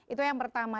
itu yang pertama